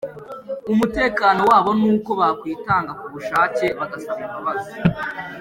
Umutekano wabo n’uko bakwitanga ku bushake bagasaba imbabazi.”